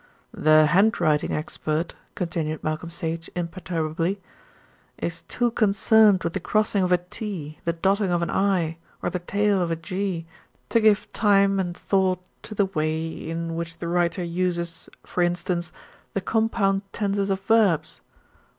"The handwriting expert," continued Malcolm Sage imperturbably, "is too concerned with the crossing of a 't,' the dotting of an 'i,' or the tail of a 'g,' to give time and thought to the way in which the writer uses, for instance, the compound tenses of verbs.